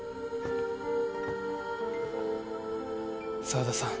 澤田さん。